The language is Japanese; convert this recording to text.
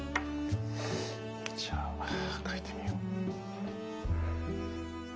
じゃあかいてみよう。